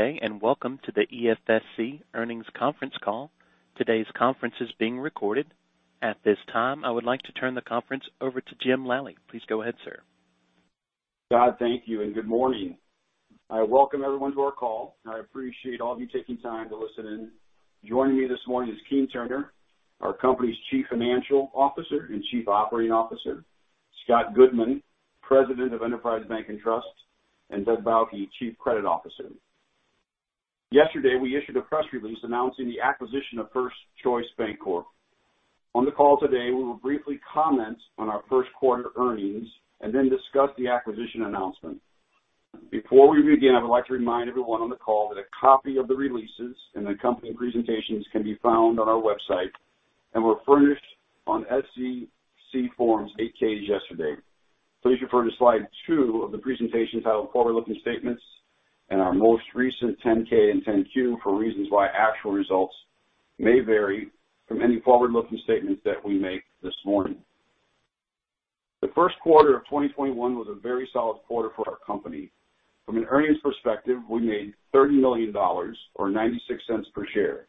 Good day, welcome to the EFSC earnings Conference Call. Today's conference is being recorded. At this time, I would like to turn the conference over to Jim Lally. Please go ahead, sir. Scott, thank you, and good morning. I welcome everyone to our call. I appreciate all of you taking time to listen in. Joining me this morning is Keene Turner, our company's Chief Financial Officer and Chief Operating Officer, Scott Goodman, President of Enterprise Bank & Trust, and Doug Bauche, Chief Credit Officer. Yesterday, we issued a press release announcing the acquisition of First Choice Bancorp. On the call today, we will briefly comment on our first quarter earnings and then discuss the acquisition announcement. Before we begin, I would like to remind everyone on the call that a copy of the releases and accompanying presentations can be found on our website and were furnished on SEC Form 8-K yesterday. Please refer to slide two of the presentation titled Forward-Looking Statements and our most recent 10-K and 10-Q for reasons why actual results may vary from any forward-looking statements that we make this morning. The first quarter of 2021 was a very solid quarter for our company. From an earnings perspective, we made $30 million, or $0.96 per share.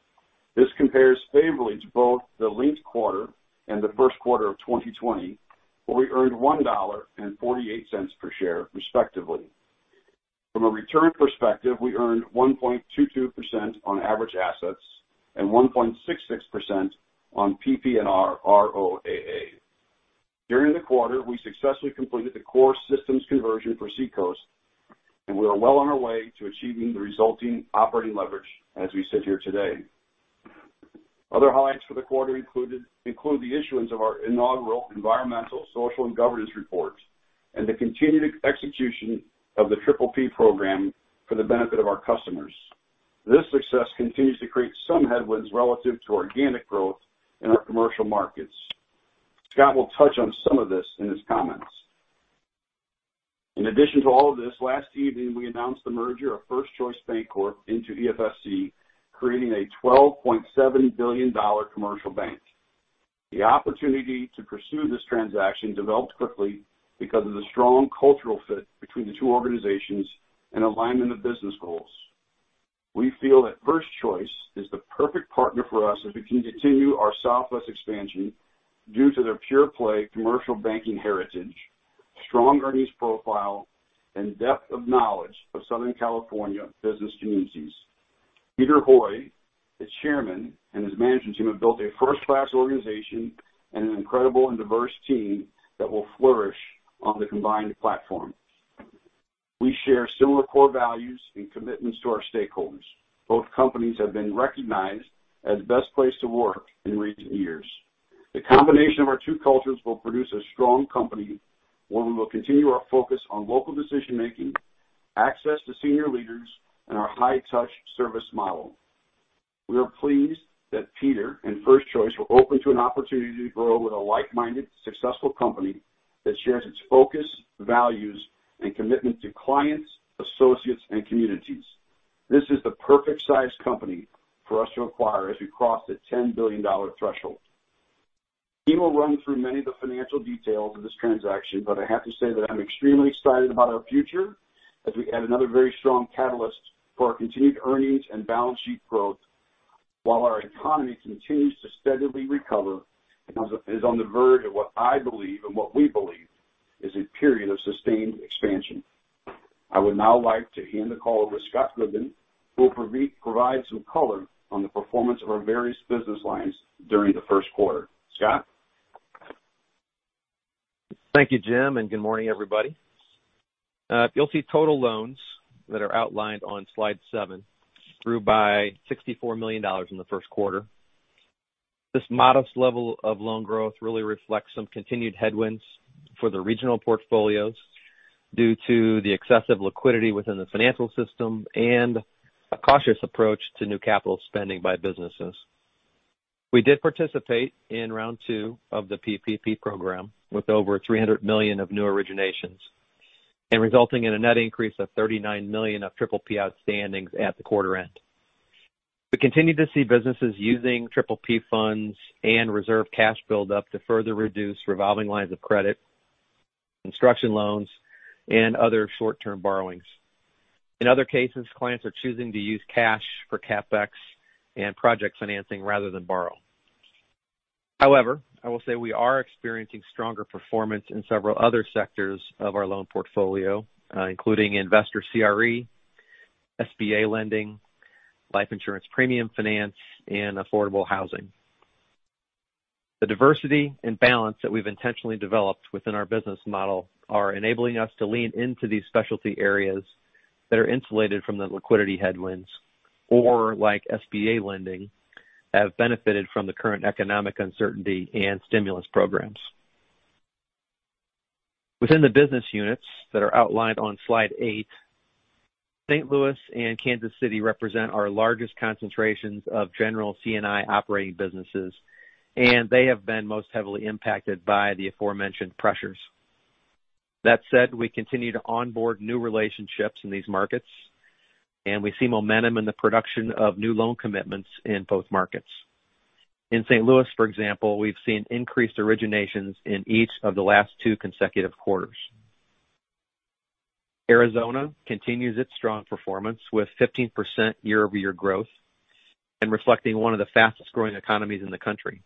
This compares favorably to both the linked quarter and the first quarter of 2020, where we earned $1 nd $0. 48 per share, respectively. From a return perspective, we earned 1.22% on average assets and 1.66% on PPNR ROAA. During the quarter, we successfully completed the core systems conversion for Seacoast, we are well on our way to achieving the resulting operating leverage as we sit here today. Other highlights for the quarter include the issuance of our inaugural Environmental, Social, and Governance report and the continued execution of the PPP program for the benefit of our customers. This success continues to create some headwinds relative to organic growth in our commercial markets. Scott will touch on some of this in his comments. In addition to all of this, last evening, we announced the merger of First Choice Bancorp into EFSC, creating a $12.7 billion commercial bank. The opportunity to pursue this transaction developed quickly because of the strong cultural fit between the two organizations and alignment of business goals. We feel that First Choice is the perfect partner for us as we continue our Southwest expansion due to their pure play commercial banking heritage, strong earnings profile, and depth of knowledge of Southern California business communities. Peter Hui, its chairman, and his management team have built a first-class organization and an incredible and diverse team that will flourish on the combined platform. We share similar core values and commitments to our stakeholders. Both companies have been recognized as Best Place to Work in recent years. The combination of our two cultures will produce a strong company where we will continue our focus on local decision-making, access to senior leaders, and our high-touch service model. We are pleased that Peter and First Choice were open to an opportunity to grow with a like-minded, successful company that shares its focus, values, and commitment to clients, associates, and communities. This is the perfect size company for us to acquire as we cross the $10 billion threshold. Keene will run through many of the financial details of this transaction, but I have to say that I'm extremely excited about our future as we add another very strong catalyst for our continued earnings and balance sheet growth while our economy continues to steadily recover and is on the verge of what I believe, and what we believe, is a period of sustained expansion. I would now like to hand the call over to Scott Goodman, who will provide some color on the performance of our various business lines during the first quarter. Scott? Thank you, Jim, good morning, everybody. You'll see total loans that are outlined on slide seven grew by $64 million in the first quarter. This modest level of loan growth really reflects some continued headwinds for the regional portfolios due to the excessive liquidity within the financial system and a cautious approach to new capital spending by businesses. We did participate in round two of the PPP program with over $300 million of new originations, resulting in a net increase of $39 million of PPP outstandings at the quarter end. We continue to see businesses using PPP funds and reserve cash buildup to further reduce revolving lines of credit, construction loans, and other short-term borrowings. In other cases, clients are choosing to use cash for CapEx and project financing rather than borrow. However, I will say we are experiencing stronger performance in several other sectors of our loan portfolio, including investor CRE, SBA lending, life insurance premium finance, and affordable housing. The diversity and balance that we've intentionally developed within our business model are enabling us to lean into these specialty areas that are insulated from the liquidity headwinds or, like SBA lending, have benefited from the current economic uncertainty and stimulus programs. Within the business units that are outlined on slide eight, St. Louis and Kansas City represent our largest concentrations of general C&I operating businesses, and they have been most heavily impacted by the aforementioned pressures. That said, we continue to onboard new relationships in these markets, and we see momentum in the production of new loan commitments in both markets. In St. Louis, for example, we've seen increased originations in each of the last two consecutive quarters. Arizona continues its strong performance with 15% year-over-year growth and reflecting one of the fastest-growing economies in the country.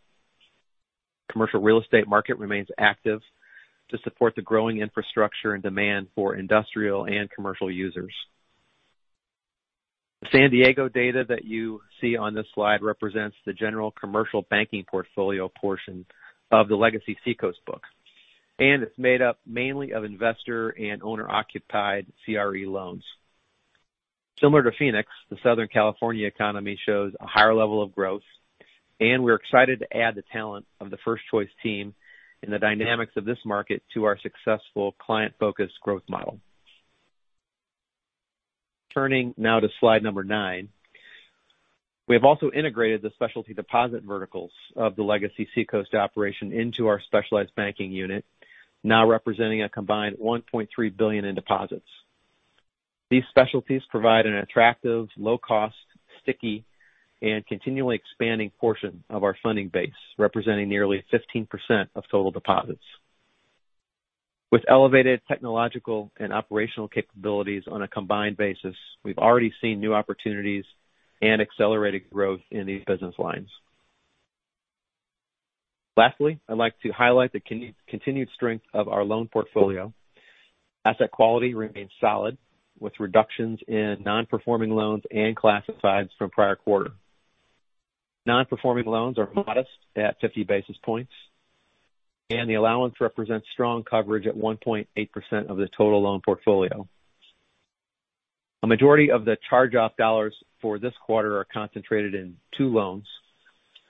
Commercial real estate market remains active to support the growing infrastructure and demand for industrial and commercial users. The San Diego data that you see on this slide represents the general commercial banking portfolio portion of the legacy Seacoast book, and it's made up mainly of investor and owner-occupied CRE loans. Similar to Phoenix, the Southern California economy shows a higher level of growth, and we're excited to add the talent of the First Choice team in the dynamics of this market to our successful client-focused growth model. Turning now to slide number nine. We have also integrated the specialty deposit verticals of the legacy Seacoast operation into our specialized banking unit, now representing a combined $1.3 billion in deposits. These specialties provide an attractive, low cost, sticky, and continually expanding portion of our funding base, representing nearly 15% of total deposits. With elevated technological and operational capabilities on a combined basis, we've already seen new opportunities and accelerated growth in these business lines. Lastly, I'd like to highlight the continued strength of our loan portfolio. Asset quality remains solid with reductions in non-performing loans and classifieds from prior quarter. Non-performing loans are modest at 50 basis points, and the allowance represents strong coverage at 1.8% of the total loan portfolio. A majority of the charge-off dollars for this quarter are concentrated in two loans.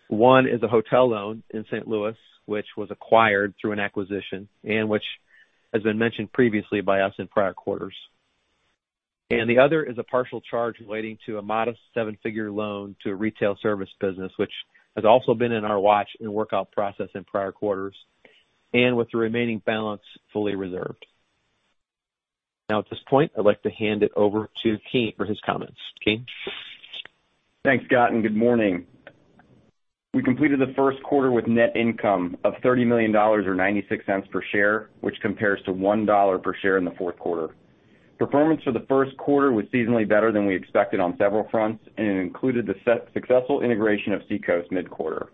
One is a hotel loan in St. Louis, which was acquired through an acquisition and which has been mentioned previously by us in prior quarters. The other is a partial charge relating to a modest seven-figure loan to a retail service business, which has also been in our watch and workout process in prior quarters, and with the remaining balance fully reserved. At this point, I'd like to hand it over to Keene for his comments. Keene? Thanks, Scott, and good morning. We completed the first quarter with net income of $30 million, or $0.96 per share, which compares to $1 per share in the fourth quarter. Performance for the first quarter was seasonally better than we expected on several fronts and included the successful integration of Seacoast mid-quarter.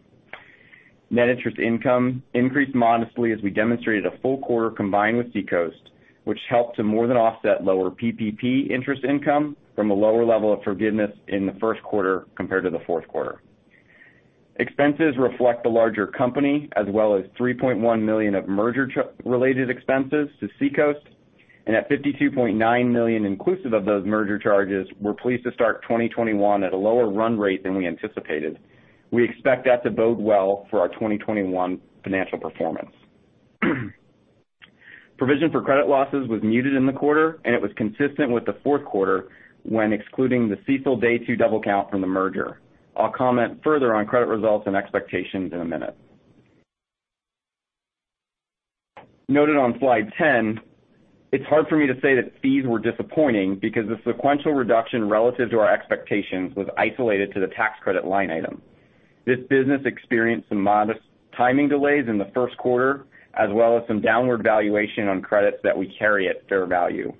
Net interest income increased modestly as we demonstrated a full quarter combined with Seacoast, which helped to more than offset lower PPP interest income from a lower level of forgiveness in the first quarter compared to the fourth quarter. Expenses reflect the larger company, as well as $3.1 million of merger-related expenses to Seacoast. At $52.9 million inclusive of those merger charges, we're pleased to start 2021 at a lower run rate than we anticipated. We expect that to bode well for our 2021 financial performance. Provision for credit losses was muted in the quarter. It was consistent with the fourth quarter when excluding the CECL Day-2 double count from the merger. I'll comment further on credit results and expectations in a minute. Noted on slide 10, it's hard for me to say that fees were disappointing because the sequential reduction relative to our expectations was isolated to the tax credit line item. This business experienced some modest timing delays in the first quarter, as well as some downward valuation on credits that we carry at fair value.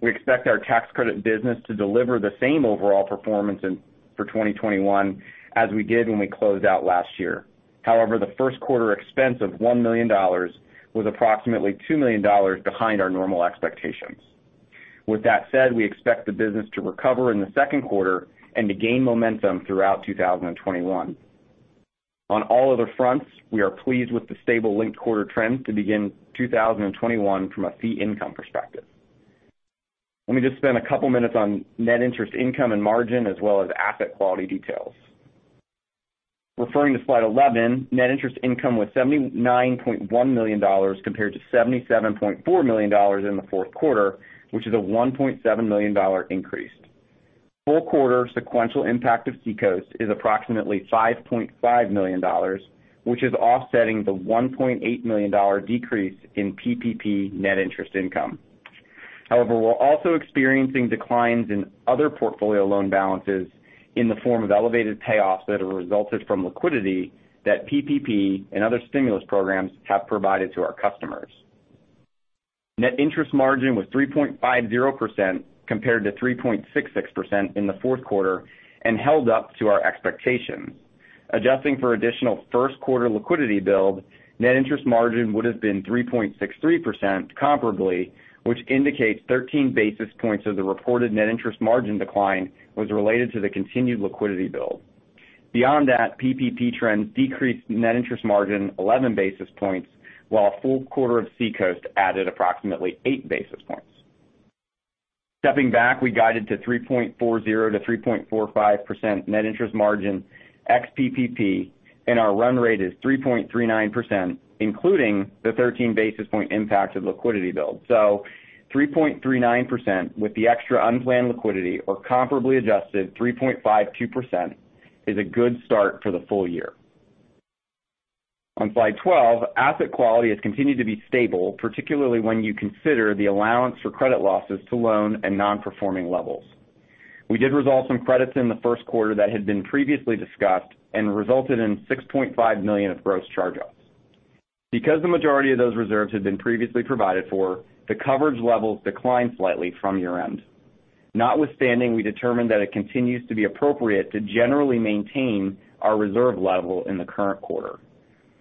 We expect our tax credit business to deliver the same overall performance for 2021 as we did when we closed out last year. However, the first quarter expense of $1 million was approximately $2 million behind our normal expectations. With that said, we expect the business to recover in the second quarter and to gain momentum throughout 2021. On all other fronts, we are pleased with the stable linked quarter trends to begin 2021 from a fee income perspective. Let me just spend a couple minutes on net interest income and margin, as well as asset quality details. Referring to slide 11, net interest income was $79.1 million compared to $77.4 million in the fourth quarter, which is a $1.7 million increase. Full quarter sequential impact of Seacoast is approximately $5.5 million, which is offsetting the $1.8 million decrease in PPP net interest income. We're also experiencing declines in other portfolio loan balances in the form of elevated payoffs that have resulted from liquidity that PPP and other stimulus programs have provided to our customers. Net interest margin was 3.50% compared to 3.66% in the fourth quarter and held up to our expectations. Adjusting for additional first quarter liquidity build, net interest margin would have been 3.63% comparably, which indicates 13 basis points of the reported net interest margin decline was related to the continued liquidity build. Beyond that, PPP trends decreased net interest margin 11 basis points, while a full quarter of Seacoast added approximately eight basis points. Stepping back, we guided to 3.40%-3.45% net interest margin ex-PPP, and our run rate is 3.39%, including the 13 basis point impact of liquidity build. 3.39% with the extra unplanned liquidity, or comparably adjusted 3.52%, is a good start for the full year. On slide 12, asset quality has continued to be stable, particularly when you consider the allowance for credit losses to loan and non-performing levels. We did resolve some credits in the first quarter that had been previously discussed and resulted in $6.5 million of gross charge-offs. Because the majority of those reserves had been previously provided for, the coverage levels declined slightly from year-end. Notwithstanding, we determined that it continues to be appropriate to generally maintain our reserve level in the current quarter.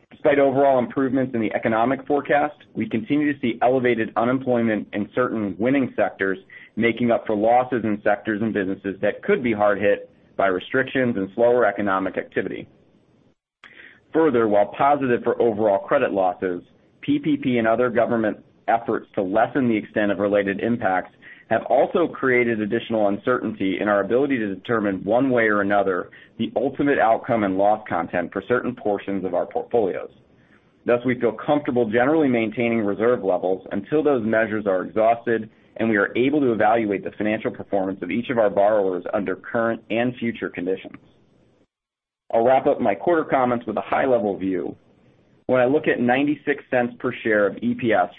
Despite overall improvements in the economic forecast, we continue to see elevated unemployment in certain winning sectors, making up for losses in sectors and businesses that could be hard hit by restrictions and slower economic activity. Further, while positive for overall credit losses, PPP and other government efforts to lessen the extent of related impacts have also created additional uncertainty in our ability to determine, one way or another, the ultimate outcome and loss content for certain portions of our portfolios. Thus, we feel comfortable generally maintaining reserve levels until those measures are exhausted and we are able to evaluate the financial performance of each of our borrowers under current and future conditions. I'll wrap up my quarter comments with a high-level view. When I look at $0.96 per share of EPS,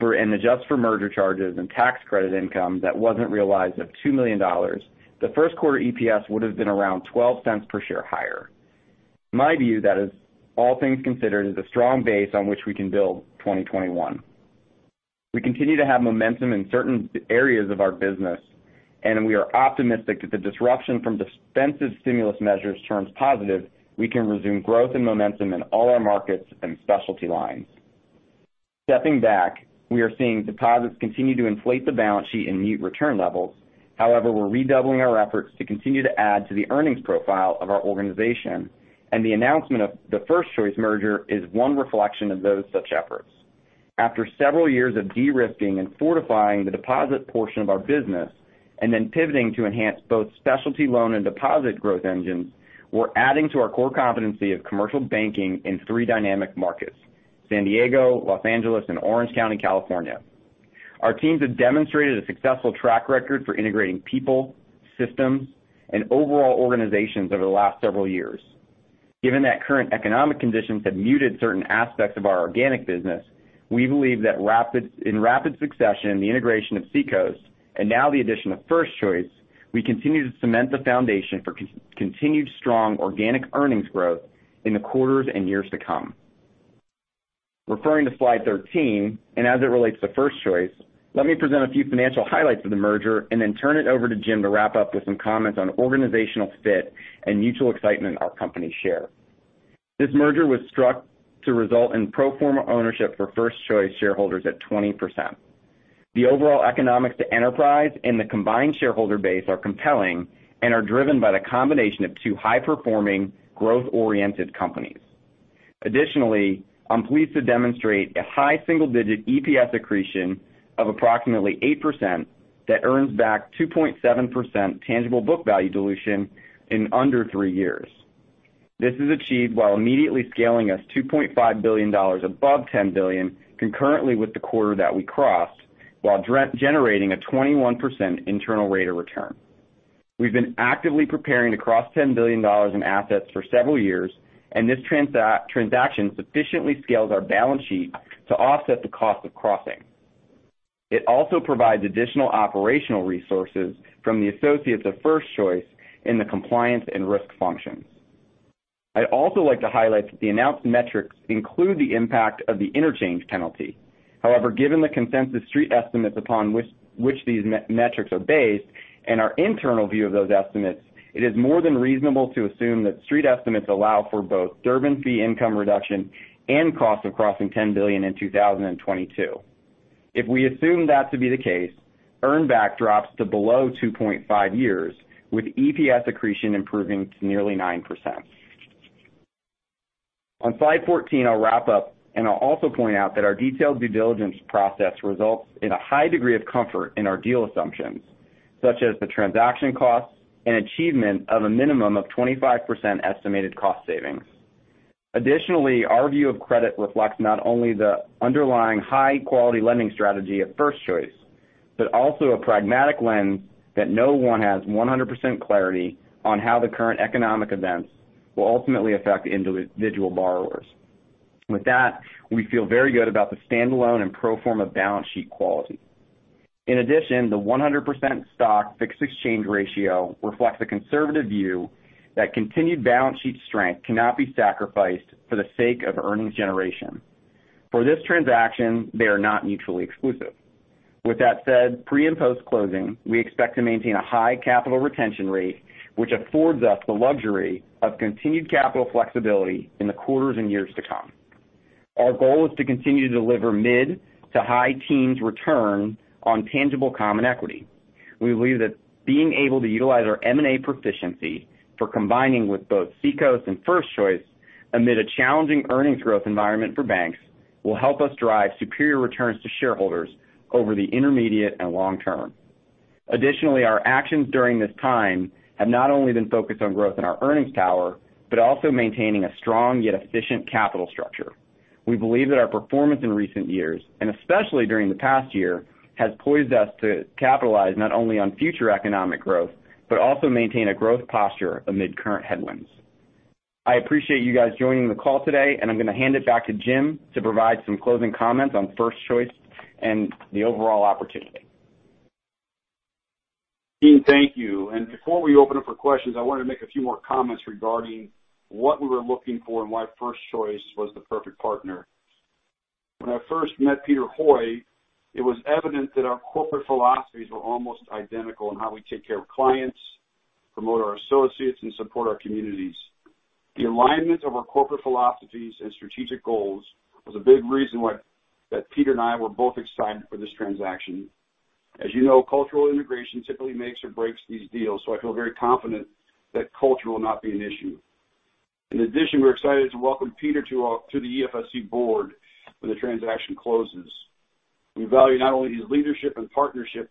and adjust for merger charges and tax credit income that wasn't realized of $2 million, the first quarter EPS would've been around $0.12 per share higher. In my view, that is, all things considered, is a strong base on which we can build 2021. We continue to have momentum in certain areas of our business, and we are optimistic that the disruption from expansive stimulus measures turns positive, we can resume growth and momentum in all our markets and specialty lines. Stepping back, we are seeing deposits continue to inflate the balance sheet and meet return levels. However, we're redoubling our efforts to continue to add to the earnings profile of our organization, and the announcement of the First Choice merger is one reflection of those such efforts. After several years of de-risking and fortifying the deposit portion of our business and then pivoting to enhance both specialty loan and deposit growth engines, we're adding to our core competency of commercial banking in three dynamic markets: San Diego, Los Angeles, and Orange County, California. Our teams have demonstrated a successful track record for integrating people, systems, and overall organizations over the last several years. Given that current economic conditions have muted certain aspects of our organic business, we believe that in rapid succession in the integration of Seacoast, and now the addition of First Choice, we continue to cement the foundation for continued strong organic earnings growth in the quarters and years to come. Referring to slide 13, as it relates to First Choice, let me present a few financial highlights of the merger and then turn it over to Jim to wrap up with some comments on organizational fit and mutual excitement our companies share. This merger was struck to result in pro forma ownership for First Choice shareholders at 20%. The overall economics to Enterprise and the combined shareholder base are compelling and are driven by the combination of two high-performing, growth-oriented companies. Additionally, I'm pleased to demonstrate a high single-digit EPS accretion of approximately 8% that earns back 2.7% tangible book value dilution in under three years. This is achieved while immediately scaling us $2.5 billion above $10 billion concurrently with the quarter that we crossed, while generating a 21% internal rate of return. We've been actively preparing to cross $10 billion in assets for several years, and this transaction sufficiently scales our balance sheet to offset the cost of crossing. It also provides additional operational resources from the associates of First Choice in the compliance and risk functions. I'd also like to highlight that the announced metrics include the impact of the interchange penalty. However, given the consensus street estimates upon which these metrics are based and our internal view of those estimates, it is more than reasonable to assume that street estimates allow for both Durbin fee income reduction and cost of crossing $10 billion in 2022. If we assume that to be the case, earn back drops to below 2.5 years with EPS accretion improving to nearly 9%. On slide 14, I'll wrap up, and I'll also point out that our detailed due diligence process results in a high degree of comfort in our deal assumptions, such as the transaction costs and achievement of a minimum of 25% estimated cost savings. Additionally, our view of credit reflects not only the underlying high-quality lending strategy of First Choice, but also a pragmatic lens that no one has 100% clarity on how the current economic events will ultimately affect individual borrowers. With that, we feel very good about the standalone and pro forma balance sheet quality. In addition, the 100% stock fixed exchange ratio reflects a conservative view that continued balance sheet strength cannot be sacrificed for the sake of earnings generation. For this transaction, they are not mutually exclusive. With that said, pre- and post-closing, we expect to maintain a high capital retention rate, which affords us the luxury of continued capital flexibility in the quarters and years to come. Our goal is to continue to deliver mid to high teens return on tangible common equity. We believe that being able to utilize our M&A proficiency for combining with both Seacoast and First Choice amid a challenging earnings growth environment for banks will help us drive superior returns to shareholders over the intermediate and long term. Additionally, our actions during this time have not only been focused on growth in our earnings power, but also maintaining a strong yet efficient capital structure. We believe that our performance in recent years, and especially during the past year, has poised us to capitalize not only on future economic growth, but also maintain a growth posture amid current headwinds. I appreciate you guys joining the call today, and I'm going to hand it back to Jim to provide some closing comments on First Choice and the overall opportunity. Keene, thank you. Before we open up for questions, I wanted to make a few more comments regarding what we were looking for and why First Choice was the perfect partner. When I first met Peter Hui, it was evident that our corporate philosophies were almost identical in how we take care of clients, promote our associates, and support our communities. The alignment of our corporate philosophies and strategic goals was a big reason why that Peter and I were both excited for this transaction. As you know, cultural integration typically makes or breaks these deals, so I feel very confident that culture will not be an issue. In addition, we're excited to welcome Peter to the EFSC board when the transaction closes. We value not only his leadership and partnership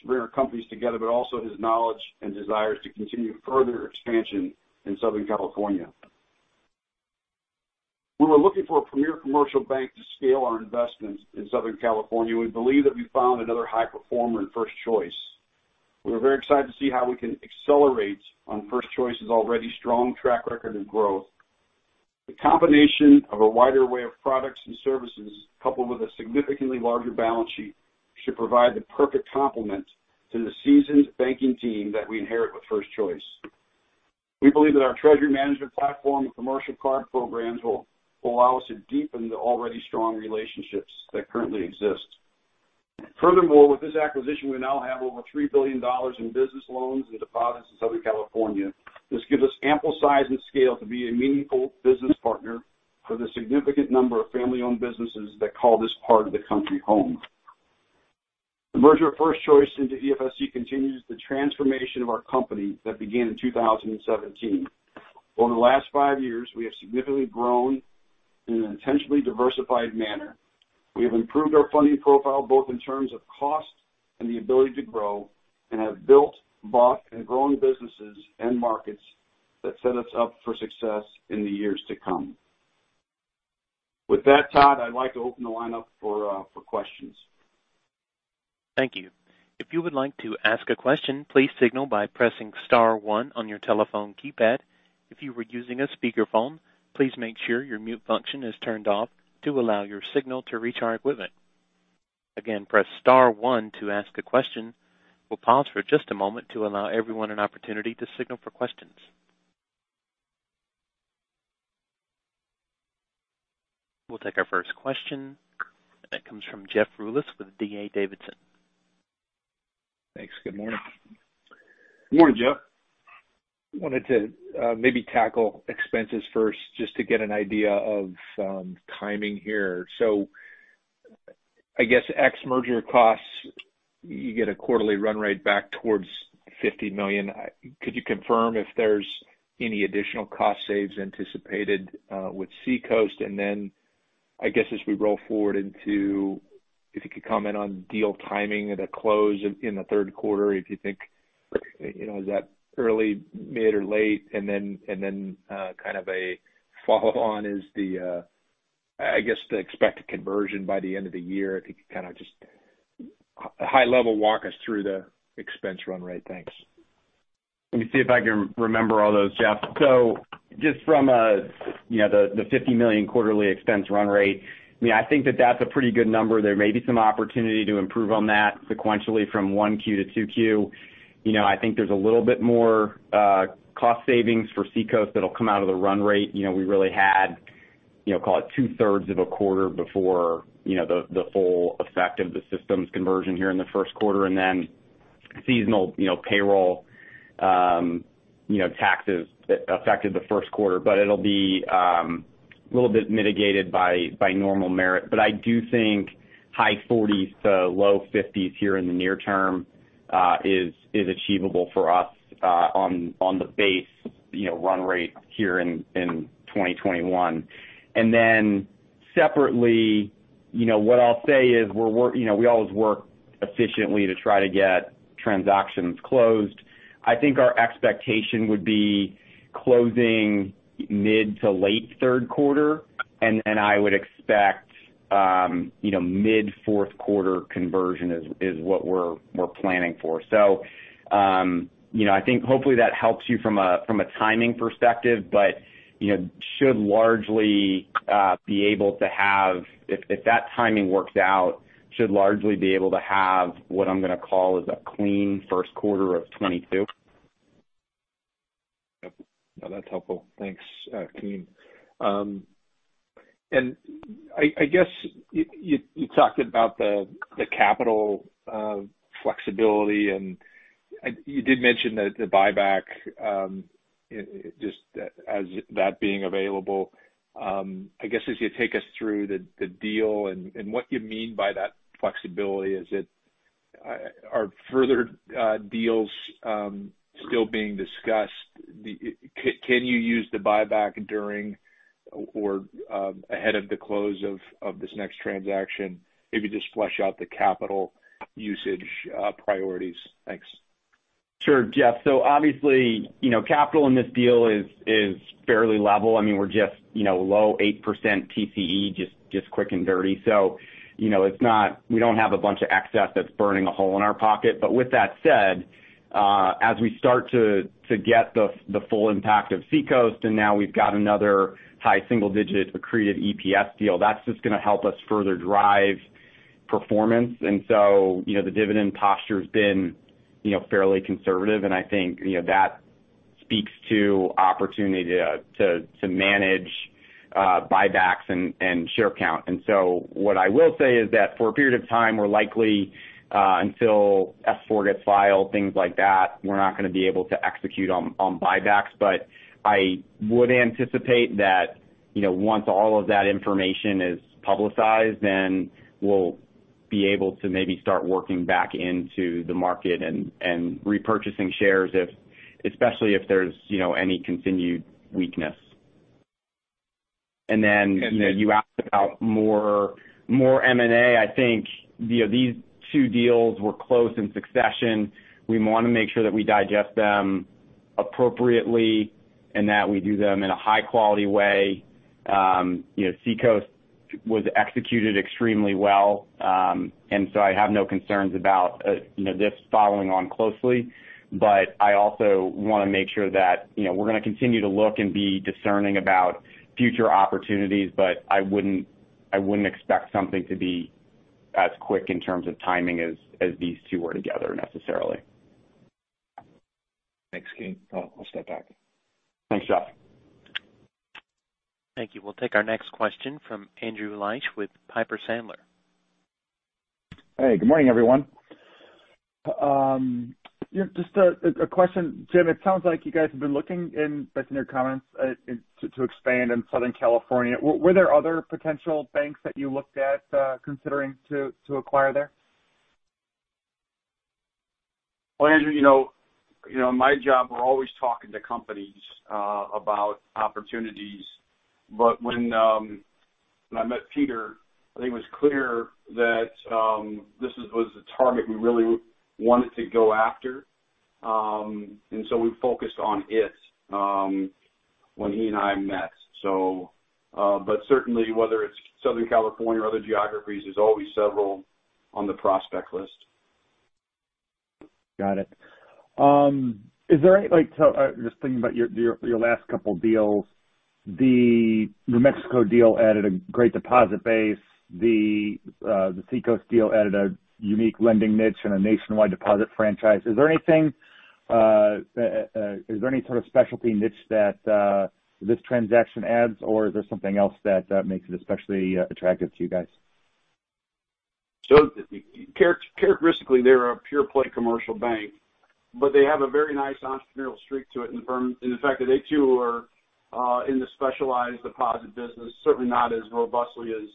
to bring our companies together, but also his knowledge and desires to continue further expansion in Southern California. We were looking for a premier commercial bank to scale our investments in Southern California. We believe that we found another high performer in First Choice. We are very excited to see how we can accelerate on First Choice's already strong track record of growth. The combination of a wider array of products and services, coupled with a significantly larger balance sheet, should provide the perfect complement to the seasoned banking team that we inherit with First Choice. We believe that our treasury management platform and commercial card programs will allow us to deepen the already strong relationships that currently exist. With this acquisition, we now have over $3 billion in business loans and deposits in Southern California. This gives us ample size and scale to be a meaningful business partner for the significant number of family-owned businesses that call this part of the country home. The merger of First Choice into EFSC continues the transformation of our company that began in 2017. Over the last five years, we have significantly grown in an intentionally diversified manner. We have improved our funding profile both in terms of cost and the ability to grow, and have built, bought, and grown businesses and markets that set us up for success in the years to come. With that, Todd, I'd like to open the line up for questions. Thank you. If you would like to ask a question, please signal by pressing *1 on your telephone keypad. If you are using a speakerphone, please make sure your mute function is turned off to allow your signal to reach our equipment. Again, press *1 to ask a question. We'll pause for just a moment to allow everyone an opportunity to signal for questions. We'll take our first question. That comes from Jeff Rulis with D.A. Davidson. Thanks. Good morning. Morning, Jeff. Wanted to maybe tackle expenses first just to get an idea of timing here. I guess ex merger costs, you get a quarterly run rate back towards $50 million. Could you confirm if there's any additional cost saves anticipated with Seacoast? I guess, as we roll forward, if you could comment on deal timing at a close in the third quarter, if you think, is that early, mid, or late? Kind of a follow on is the, I guess, the expected conversion by the end of the year. If you could kind of just high level walk us through the expense run rate. Thanks. Let me see if I can remember all those, Jeff. Just from the $50 million quarterly expense run rate, I think that's a pretty good number. There may be some opportunity to improve on that sequentially from 1Q to 2Q. I think there's a little bit more cost savings for Seacoast that'll come out of the run rate. We really had, call it two-thirds of a quarter before the full effect of the systems conversion here in the first quarter, seasonal payroll taxes affected the first quarter. It'll be a little bit mitigated by normal merit. I do think high 40s to low 50s here in the near term is achievable for us on the base run rate here in 2021. Separately, what I'll say is we always work efficiently to try to get transactions closed. I think our expectation would be closing mid to late third quarter, and I would expect mid fourth quarter conversion is what we're planning for. I think hopefully that helps you from a timing perspective, but if that timing works out, should largely be able to have what I'm going to call is a clean first quarter of 2022. That's helpful. Thanks, Keene. I guess you talked about the capital flexibility, and you did mention the buyback, just as that being available. I guess as you take us through the deal and what you mean by that flexibility, are further deals still being discussed? Can you use the buyback during or ahead of the close of this next transaction? Maybe just flesh out the capital usage priorities. Thanks. Sure, Jeff. Obviously, capital in this deal is fairly level. We're just low 8% TCE, just quick and dirty. We don't have a bunch of excess that's burning a hole in our pocket. With that said, as we start to get the full impact of Seacoast, and now we've got another high single-digit accretive EPS deal, that's just going to help us further drive performance. The dividend posture's been fairly conservative, and I think that speaks to opportunity to manage buybacks and share count. What I will say is that for a period of time, we're likely, until S-4 gets filed, things like that, we're not going to be able to execute on buybacks. I would anticipate that once all of that information is publicized, then we'll be able to maybe start working back into the market and repurchasing shares, especially if there's any continued weakness. You asked about more M&A. I think these two deals were close in succession. We want to make sure that we digest them appropriately and that we do them in a high-quality way. Seacoast was executed extremely well. I have no concerns about this following on closely, but I also want to make sure that we're going to continue to look and be discerning about future opportunities, but I wouldn't expect something to be as quick in terms of timing as these two were together necessarily. Thanks, Keene. I'll step back. Thanks, Jeff. Thank you. We'll take our next question from Andrew Liesch with Piper Sandler. Hey, good morning, everyone. Just a question. Jim, it sounds like you guys have been looking in, based on your comments, to expand in Southern California. Were there other potential banks that you looked at considering to acquire there? Well, Andrew, in my job, we're always talking to companies about opportunities. When I met Peter, I think it was clear that this was a target we really wanted to go after. We focused on it when he and I met. Certainly, whether it's Southern California or other geographies, there's always several on the prospect list. Got it. Just thinking about your last couple deals, the New Mexico deal added a great deposit base. The Seacoast deal added a unique lending niche and a nationwide deposit franchise. Is there any sort of specialty niche that this transaction adds, or is there something else that makes it especially attractive to you guys? Characteristically, they're a pure play commercial bank, but they have a very nice entrepreneurial streak to it. The fact that they too are in the specialized deposit business, certainly not as robustly as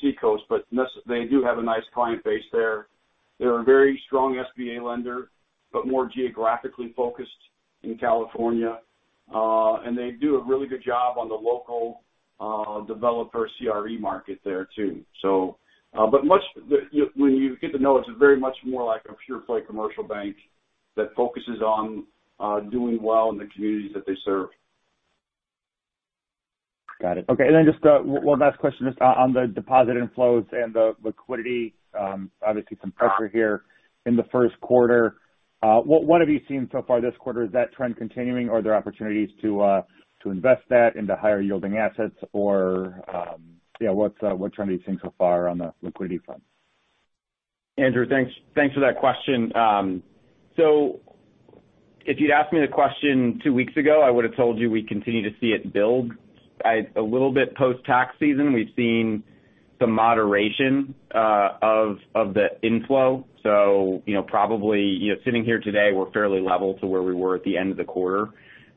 Seacoast, but they do have a nice client base there. They're a very strong SBA lender, but more geographically focused in California. They do a really good job on the local developer CRE market there too. When you get to know it's very much more like a pure play commercial bank that focuses on doing well in the communities that they serve. Got it. Okay, just one last question. Just on the deposit inflows and the liquidity, obviously some pressure here in the first quarter. What have you seen so far this quarter? Is that trend continuing or are there opportunities to invest that into higher yielding assets or what trend are you seeing so far on the liquidity front? Andrew, thanks for that question. If you'd asked me the question two weeks ago, I would've told you we continue to see it build. A little bit post-tax season, we've seen some moderation of the inflow. Probably, sitting here today, we're fairly level to where we were at the end of the quarter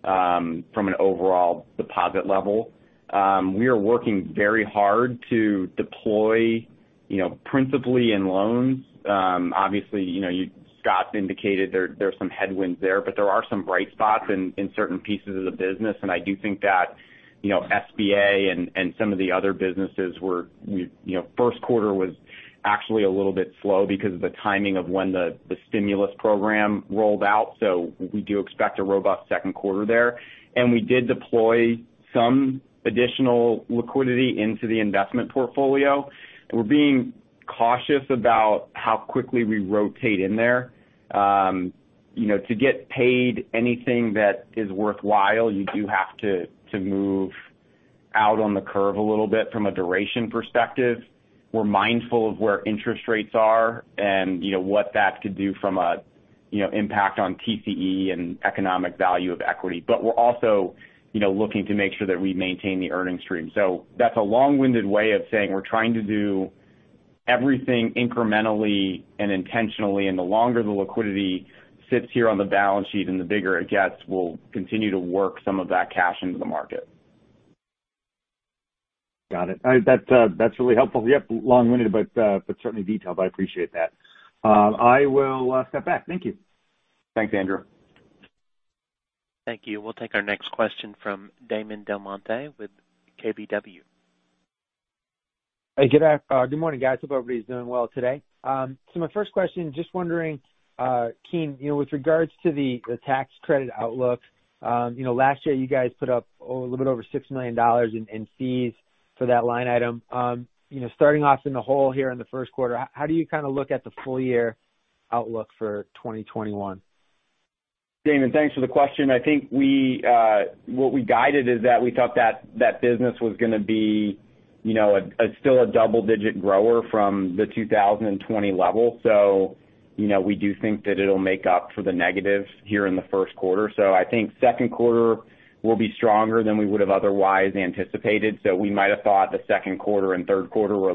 from an overall deposit level. We are working very hard to deploy principally in loans. Obviously, Scott's indicated there's some headwinds there, but there are some bright spots in certain pieces of the business, and I do think that SBA and some of the other businesses, first quarter was actually a little bit slow because of the timing of when the stimulus program rolled out. We do expect a robust second quarter there. We did deploy some additional liquidity into the investment portfolio. We're being cautious about how quickly we rotate in there. To get paid anything that is worthwhile, you do have to move out on the curve a little bit from a duration perspective. We're mindful of where interest rates are and what that could do from an impact on TCE and economic value of equity. We're also looking to make sure that we maintain the earnings stream. That's a long-winded way of saying we're trying to do everything incrementally and intentionally, and the longer the liquidity sits here on the balance sheet and the bigger it gets, we'll continue to work some of that cash into the market. Got it. That is really helpful. Yep, long-winded, but certainly detailed. I appreciate that. I will step back. Thank you. Thanks, Andrew. Thank you. We'll take our next question from Damon DelMonte with KBW. Hey, good morning, guys. Hope everybody's doing well today. My first question, just wondering, Keene, with regards to the tax credit outlook, last year you guys put up a little bit over $6 million in fees for that line item. Starting off in the hole here in the first quarter, how do you look at the full year outlook for 2021? Damon, thanks for the question. I think what we guided is that we thought that that business was going to be still a double-digit grower from the 2020 level. We do think that it'll make up for the negatives here in the first quarter. I think second quarter will be stronger than we would've otherwise anticipated. We might've thought the second quarter and third quarter were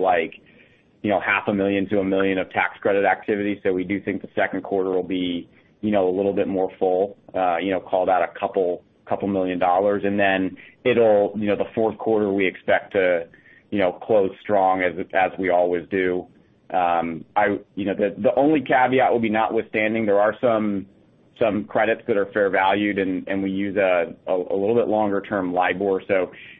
half a million to a million of tax credit activity. We do think the second quarter will be a little bit more full, call that a couple million dollars. Then the fourth quarter we expect to close strong as we always do. The only caveat will be notwithstanding, there are some credits that are fair valued, and we use a little bit longer term LIBOR.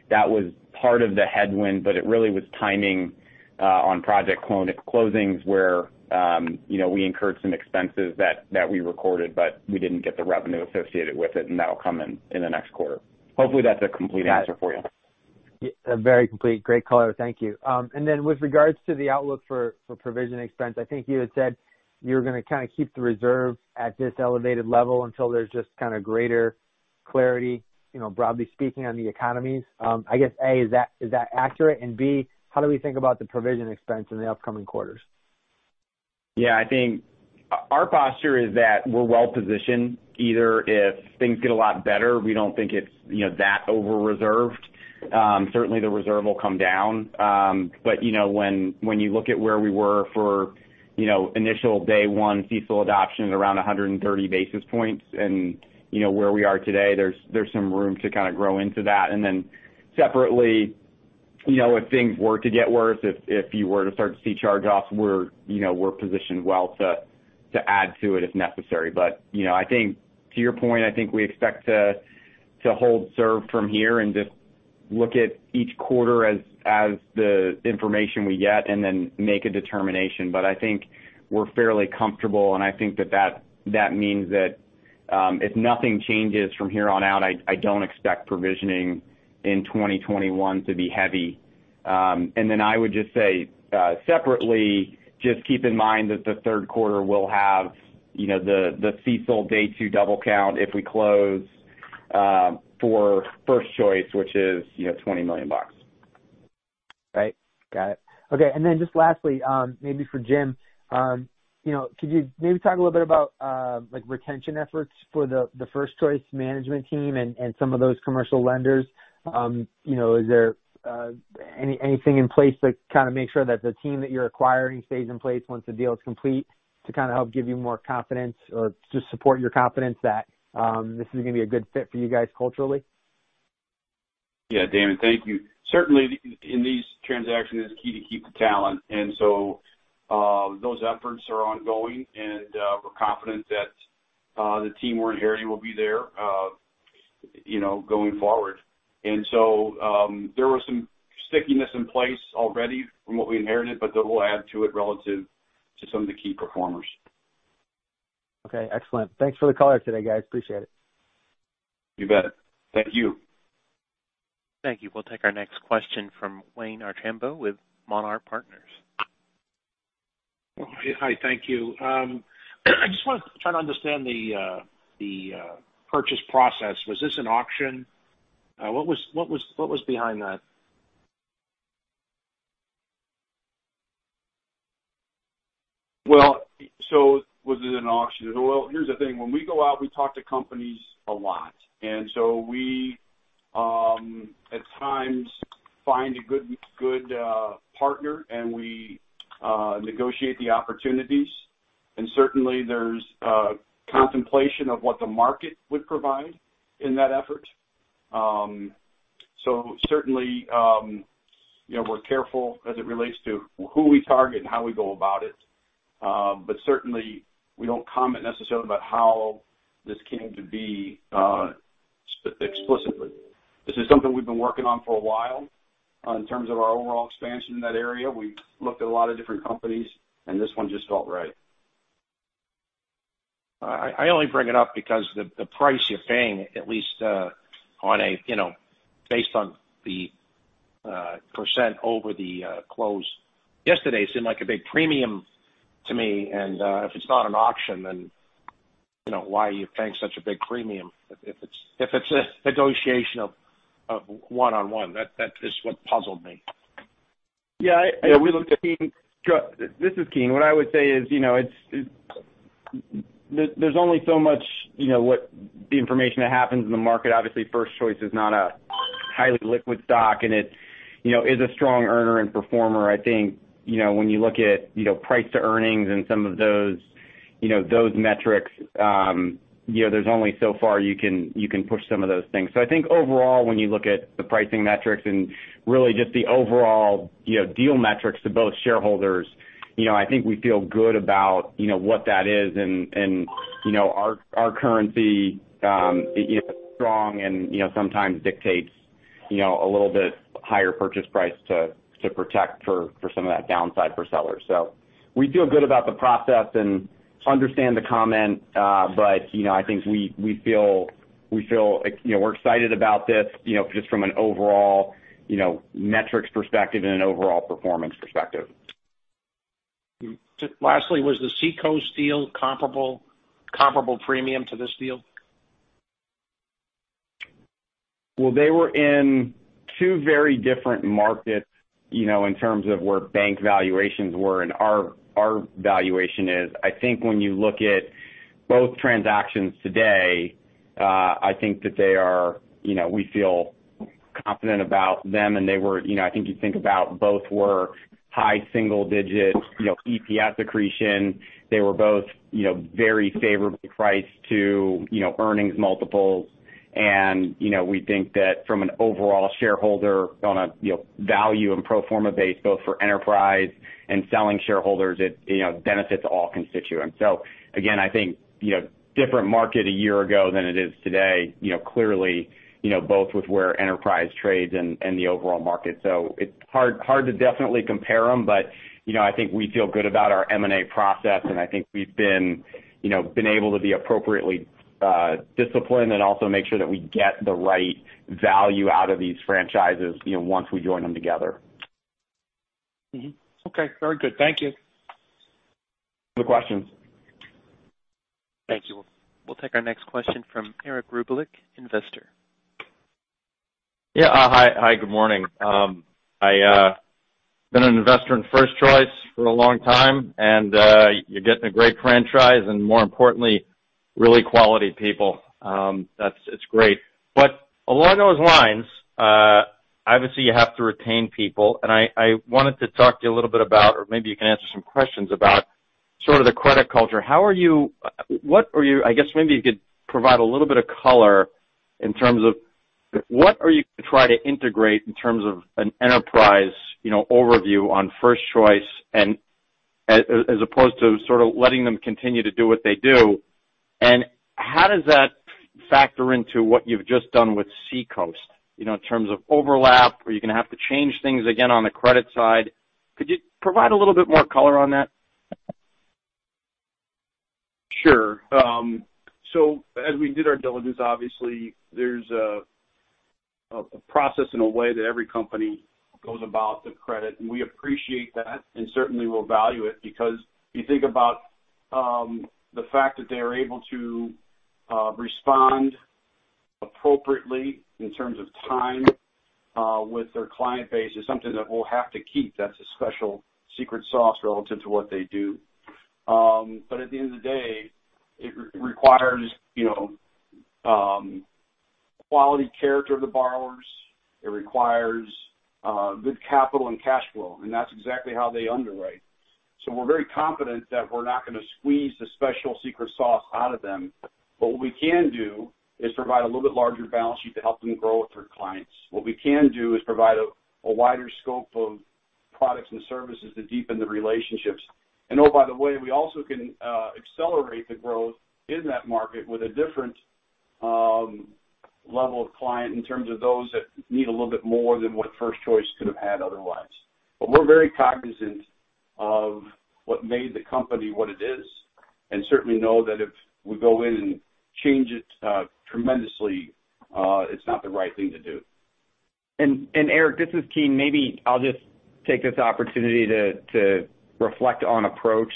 That was part of the headwind, but it really was timing on project closings where we incurred some expenses that we recorded, but we didn't get the revenue associated with it, and that'll come in the next quarter. Hopefully that's a complete answer for you. Very complete. Great color. Thank you. With regards to the outlook for provision expense, I think you had said you were going to keep the reserve at this elevated level until there's just greater clarity, broadly speaking, on the economies. I guess, A, is that accurate, and B, how do we think about the provision expense in the upcoming quarters? Yeah. I think our posture is that we're well-positioned either if things get a lot better, we don't think it's that over-reserved. Certainly, the reserve will come down. When you look at where we were for initial day one CECL adoption around 130 basis points and where we are today, there's some room to grow into that. Separately, if things were to get worse, if you were to start to see charge-offs, we're positioned well to add to it if necessary. To your point, I think we expect to hold serve from here and just look at each quarter as the information we get and then make a determination. I think we're fairly comfortable, and I think that means that if nothing changes from here on out, I don't expect provisioning in 2021 to be heavy. I would just say, separately, just keep in mind that the third quarter will have the CECL day two double count if we close for First Choice, which is $20 million. Right. Got it. Okay. Just lastly, maybe for Jim, could you maybe talk a little bit about retention efforts for the First Choice management team and some of those commercial lenders? Is there anything in place to make sure that the team that you're acquiring stays in place once the deal is complete to help give you more confidence or to support your confidence that this is going to be a good fit for you guys culturally? Yeah. Damon, thank you. Certainly, in these transactions, it's key to keep the talent. Those efforts are ongoing, and we're confident that the team we're inheriting will be there going forward. There was some stickiness in place already from what we inherited, but that will add to it relative to some of the key performers. Okay. Excellent. Thanks for the color today, guys. Appreciate it. You bet. Thank you. Thank you. We'll take our next question from Wayne Archambo with Monarch Partners. Hi. Thank you. I just want to try to understand the purchase process. Was this an auction? What was behind that? Was it an auction? Here's the thing. When we go out, we talk to companies a lot, and so we at times find a good partner, and we negotiate the opportunities. Certainly there's contemplation of what the market would provide in that effort. Certainly we're careful as it relates to who we target and how we go about it. Certainly we don't comment necessarily about how this came to be explicitly. This is something we've been working on for a while in terms of our overall expansion in that area. We've looked at a lot of different companies, and this one just felt right. I only bring it up because the price you're paying, at least based on the % over the close yesterday, seemed like a big premium to me. If it's not an auction, then why are you paying such a big premium? If it's a negotiation of one-on-one. That is what puzzled me. Yeah. This is Keene. What I would say is there's only so much information that happens in the market. Obviously, First Choice is not a highly liquid stock, and it is a strong earner and performer. I think when you look at price to earnings and some of those metrics, there's only so far you can push some of those things. I think overall, when you look at the pricing metrics and really just the overall deal metrics to both shareholders, I think we feel good about what that is, and our currency is strong and sometimes dictates a little bit higher purchase price to protect for some of that downside for sellers. We feel good about the process and understand the comment. I think we're excited about this just from an overall metrics perspective and an overall performance perspective. Lastly, was the Seacoast deal comparable premium to this deal? Well, they were in two very different markets, in terms of where bank valuations were and our valuation is. I think when you look at both transactions today, I think that we feel confident about them, and I think you think about both were high single digits, EPS accretion. They were both very favorably priced to earnings multiples. We think that from an overall shareholder on a value and pro forma base, both for Enterprise and selling shareholders, it benefits all constituents. Again, I think different market a year ago than it is today. Clearly, both with where Enterprise trades and the overall market. It's hard to definitely compare them. I think we feel good about our M&A process, and I think we've been able to be appropriately disciplined and also make sure that we get the right value out of these franchises, once we join them together. Mm-hmm. Okay, very good. Thank you. Good questions. Thank you. We'll take our next question from Eric Grubelich, Investor. Yeah. Hi, good morning. I've been an investor in First Choice for a long time, and you're getting a great franchise and more importantly, really quality people. It's great. Along those lines, obviously you have to retain people, and I wanted to talk to you a little bit about, or maybe you can answer some questions about sort of the credit culture. I guess maybe you could provide a little bit of color in terms of what are you going to try to integrate in terms of an Enterprise overview on First Choice as opposed to sort of letting them continue to do what they do. How does that factor into what you've just done with Seacoast, in terms of overlap or you're going to have to change things again on the credit side? Could you provide a little bit more color on that? Sure. As we did our diligence, obviously there's a process and a way that every company goes about the credit, and we appreciate that and certainly will value it. You think about the fact that they are able to respond appropriately in terms of time with their client base is something that we'll have to keep. That's a special secret sauce relative to what they do. At the end of the day, it requires quality character of the borrowers. It requires good capital and cash flow, and that's exactly how they underwrite. We're very confident that we're not going to squeeze the special secret sauce out of them. What we can do is provide a little bit larger balance sheet to help them grow with their clients. What we can do is provide a wider scope of products and services to deepen the relationships. Oh, by the way, we also can accelerate the growth in that market with a different level of client in terms of those that need a little bit more than what First Choice could have had otherwise. We're very cognizant of what made the company what it is, and certainly know that if we go in and change it tremendously, it's not the right thing to do. Eric, this is Keene. Maybe I'll just take this opportunity to reflect on approach.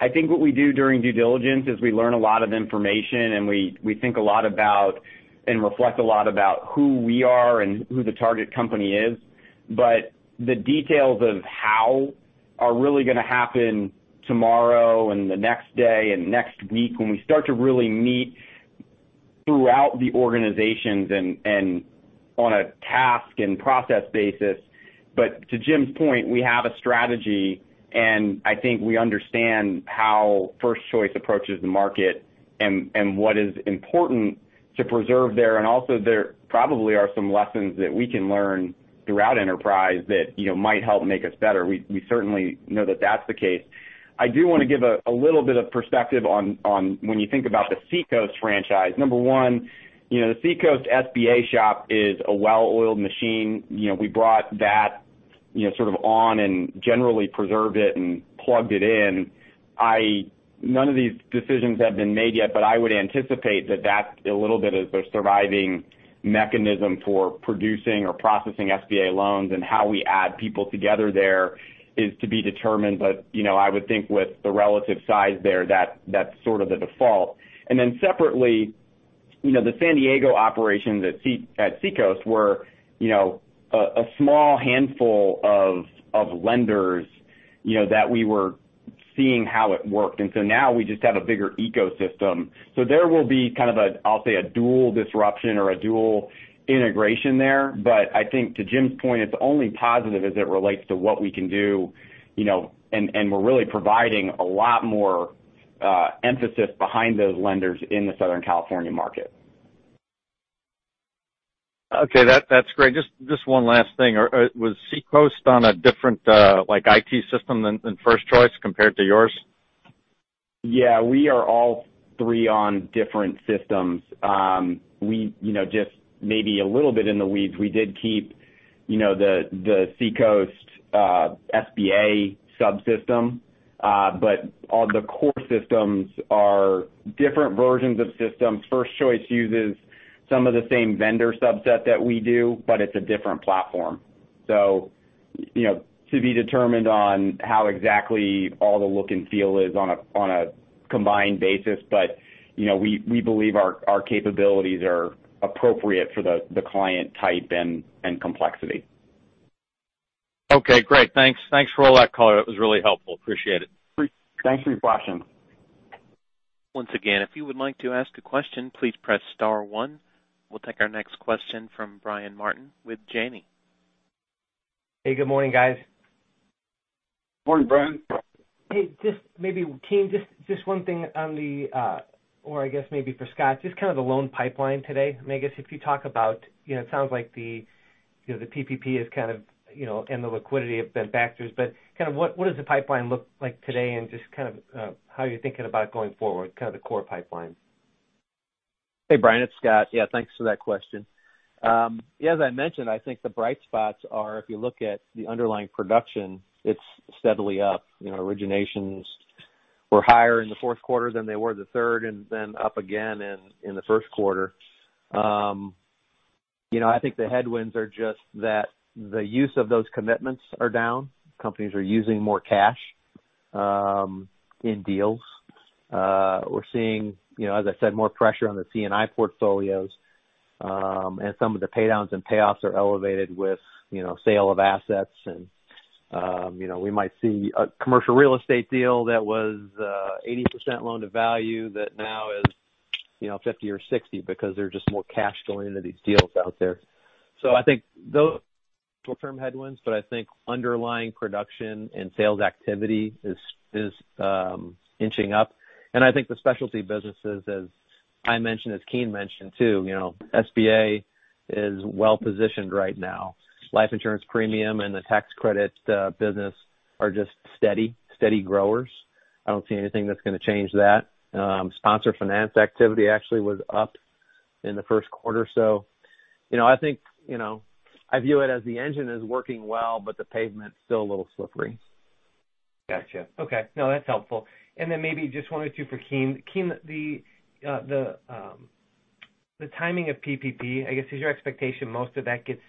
I think what we do during due diligence is we learn a lot of information, and we think a lot about and reflect a lot about who we are and who the target company is. The details of how are really going to happen tomorrow and the next day and next week when we start to really meet throughout the organizations and on a task and process basis. To Jim's point, we have a strategy, and I think we understand how First Choice approaches the market and what is important to preserve there. Also there probably are some lessons that we can learn throughout Enterprise that might help make us better. We certainly know that that's the case. I do want to give a little bit of perspective on when you think about the Seacoast franchise. Number 1, the Seacoast SBA shop is a well-oiled machine. We brought that sort of on and generally preserved it and plugged it in. None of these decisions have been made yet, but I would anticipate that that's a little bit of a surviving mechanism for producing or processing SBA loans and how we add people together there is to be determined. I would think with the relative size there, that's sort of the default. Separately, the San Diego operations at Seacoast were a small handful of lenders that we were seeing how it worked. Now we just have a bigger ecosystem. There will be kind of, I'll say, a dual disruption or a dual integration there. I think to Jim's point, it's only positive as it relates to what we can do, and we're really providing a lot more emphasis behind those lenders in the Southern California market. Okay. That's great. Just one last thing. Was Seacoast on a different IT system than First Choice compared to yours? We are all three on different systems. Just maybe a little bit in the weeds, we did keep the Seacoast SBA subsystem. The core systems are different versions of systems. First Choice uses some of the same vendor subset that we do, but it's a different platform. To be determined on how exactly all the look and feel is on a combined basis. We believe our capabilities are appropriate for the client type and complexity. Okay, great. Thanks for all that color. It was really helpful. Appreciate it. Thanks for your question. Once again, if you would like to ask a question, please press *1. We'll take our next question from Brian Martin with Janney. Hey, good morning, guys. Morning, Brian. Hey, just maybe, Keene, just one thing or I guess maybe for Scott, just kind of the loan pipeline today. I guess if you talk about, it sounds like the PPP and the liquidity have been factors, but what does the pipeline look like today and just how are you thinking about going forward, kind of the core pipeline? Hey, Brian, it's Scott. Thanks for that question. As I mentioned, I think the bright spots are if you look at the underlying production, it's steadily up. Originations were higher in the fourth quarter than they were the third, and then up again in the first quarter. I think the headwinds are just that the use of those commitments are down. Companies are using more cash in deals. We're seeing, as I said, more pressure on the C&I portfolios. Some of the pay downs and payoffs are elevated with sale of assets, and we might see a commercial real estate deal that was 80% loan to value that now is 50 or 60 because there's just more cash going into these deals out there. I think those are short-term headwinds, but I think underlying production and sales activity is inching up. I think the specialty businesses, as I mentioned, as Keene mentioned, too, SBA is well-positioned right now. Life insurance premium and the tax credit business are just steady growers. I don't see anything that's going to change that. Sponsor finance activity actually was up in the first quarter. I view it as the engine is working well, but the pavement's still a little slippery. Got you. Okay. No, that's helpful. Maybe just one or two for Keene. Keene, the timing of PPP, I guess, is your expectation most of that gets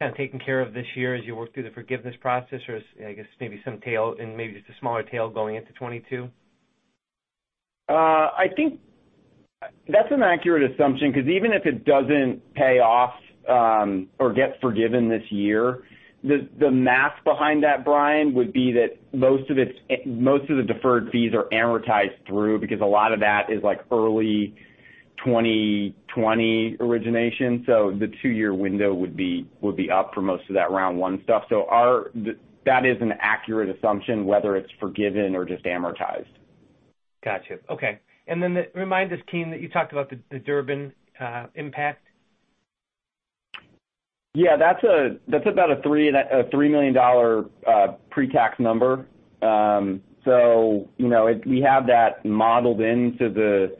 kind of taken care of this year as you work through the forgiveness process, or I guess maybe some tail and maybe just a smaller tail going into 2022? I think that's an accurate assumption because even if it doesn't pay off or get forgiven this year, the math behind that, Brian, would be that most of the deferred fees are amortized through because a lot of that is early 2020 origination. The two-year window would be up for most of that round 1 stuff. That is an accurate assumption, whether it's forgiven or just amortized. Got you. Okay. Then remind us, Keene, that you talked about the Durbin impact. Yeah, that's about a $3 million pre-tax number. We have that modeled into the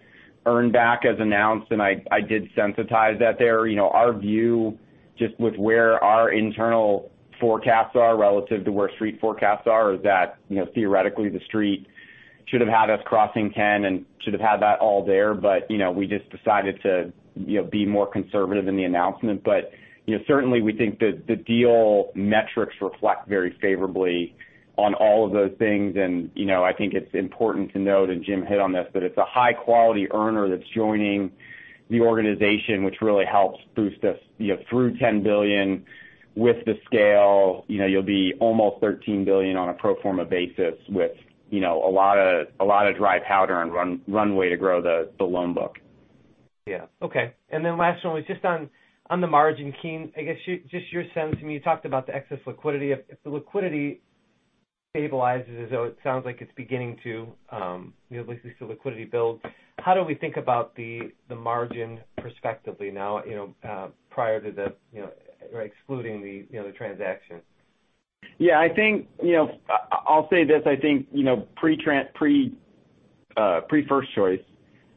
earnback as announced, and I did sensitize that there. Our view just with where our internal forecasts are relative to where Street forecasts are is that theoretically the Street should have had us crossing $10 billion and should have had that all there. We just decided to be more conservative in the announcement. Certainly, we think that the deal metrics reflect very favorably on all of those things, and I think it's important to note, and Jim hit on this, that it's a high-quality earner that's joining the organization, which really helps boost us through $10 billion with the scale. You'll be almost $13 billion on a pro forma basis with a lot of dry powder and runway to grow the loan book. Yeah. Okay. Last one was just on the margin, Keene. I guess just your sense. I mean, you talked about the excess liquidity. If the liquidity stabilizes, as though it sounds like it's beginning to, at least as the liquidity builds, how do we think about the margin prospectively now excluding the transaction? Yeah. I'll say this. I think pre First Choice,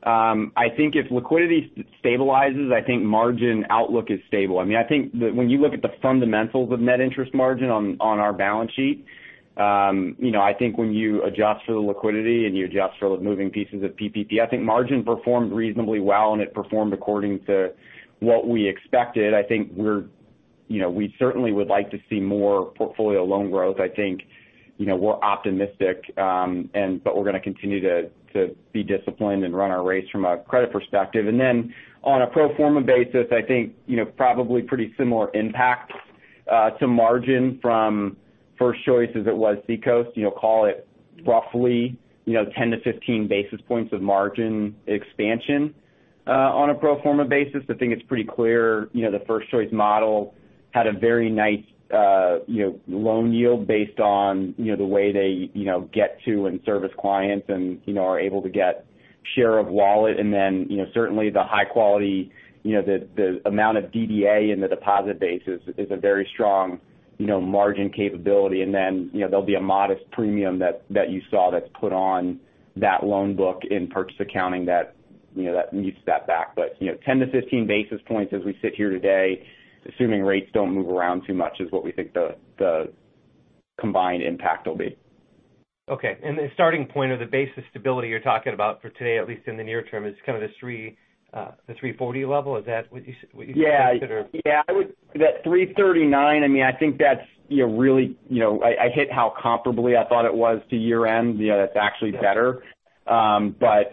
I think if liquidity stabilizes, I think margin outlook is stable. I think that when you look at the fundamentals of net interest margin on our balance sheet, I think when you adjust for the liquidity and you adjust for the moving pieces of PPP, I think margin performed reasonably well, and it performed according to what we expected. I think we certainly would like to see more portfolio loan growth. I think we're optimistic. We're going to continue to be disciplined and run our race from a credit perspective. On a pro forma basis, I think probably pretty similar impact to margin from First Choice as it was Seacoast. Call it roughly 10-15 basis points of margin expansion on a pro forma basis. I think it's pretty clear the First Choice model had a very nice loan yield based on the way they get to and service clients and are able to get share of wallet, certainly the high quality, the amount of DDA in the deposit base is a very strong margin capability. There'll be a modest premium that you saw that's put on that loan book in purchase accounting that needs to step back. 10-15 basis points as we sit here today, assuming rates don't move around too much, is what we think the combined impact will be. Okay. The starting point or the basis stability you're talking about for today, at least in the near term, is kind of this 340 level. Is that what you said? Yeah. That 339, I think that's really I hit how comparably I thought it was to year-end. That's actually better. That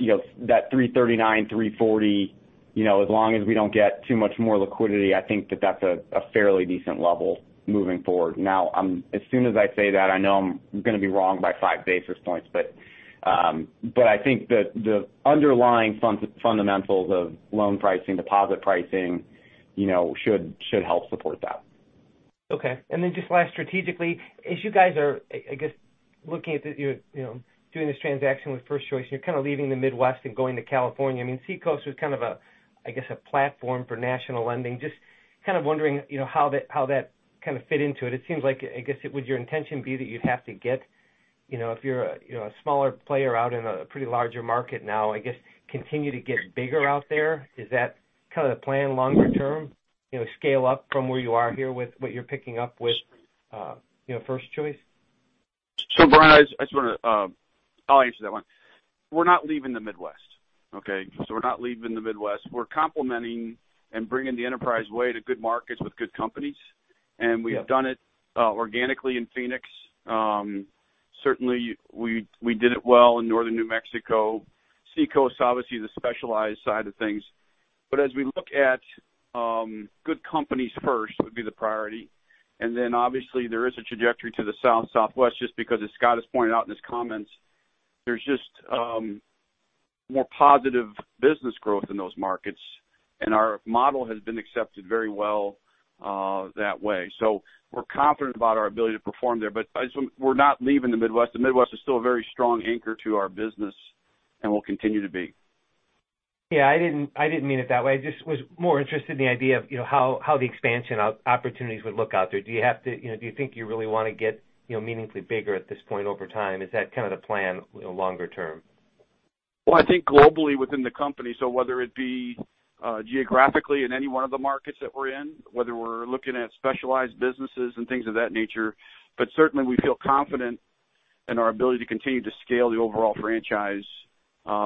339, 340, as long as we don't get too much more liquidity, I think that that's a fairly decent level moving forward. Now, as soon as I say that, I know I'm going to be wrong by five basis points. I think that the underlying fundamentals of loan pricing, deposit pricing, should help support that. Okay. Just last strategically, as you guys are, I guess, looking at doing this transaction with First Choice, you're kind of leaving the Midwest and going to California. Seacoast was kind of, I guess, a platform for national lending, just kind of wondering how that fit into it. It seems like, I guess, would your intention be that you'd have to get, if you're a smaller player out in a pretty larger market now, I guess, continue to get bigger out there? Is that kind of the plan longer term, scale up from where you are here with what you're picking up with First Choice? Brian, I'll answer that one. We're not leaving the Midwest. Okay? We're not leaving the Midwest. We're complementing and bringing the Enterprise way to good markets with good companies. Yeah. We have done it organically in Phoenix. Certainly, we did it well in northern New Mexico. Seacoast, obviously, the specialized side of things. As we look at good companies first, would be the priority, and then obviously there is a trajectory to the south, southwest, just because as Scott has pointed out in his comments, there's just more positive business growth in those markets, and our model has been accepted very well that way. We're confident about our ability to perform there. We're not leaving the Midwest. The Midwest is still a very strong anchor to our business and will continue to be. Yeah, I didn't mean it that way. I just was more interested in the idea of how the expansion opportunities would look out there. Do you think you really want to get meaningfully bigger at this point over time? Is that kind of the plan longer term? Well, I think globally within the company, so whether it be geographically in any one of the markets that we're in, whether we're looking at specialized businesses and things of that nature, but certainly we feel confident in our ability to continue to scale the overall franchise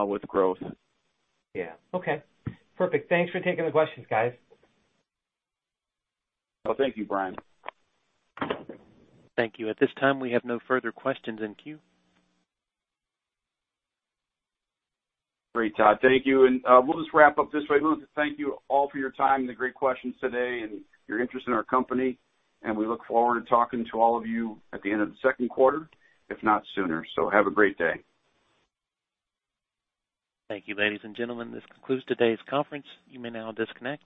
with growth. Yeah. Okay. Perfect. Thanks for taking the questions, guys. Well, thank you, Brian. Thank you. At this time, we have no further questions in queue. Great, Todd. Thank you. We'll just wrap up this way. We want to thank you all for your time and the great questions today and your interest in our company, and we look forward to talking to all of you at the end of the second quarter, if not sooner. Have a great day. Thank you, ladies and gentlemen. This concludes today's conference. You may now disconnect.